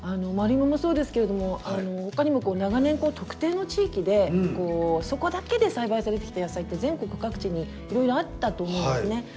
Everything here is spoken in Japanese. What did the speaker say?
丸いももそうですけれども他にも長年特定の地域でそこだけで栽培されてきた野菜って全国各地にいろいろあったと思うんですね。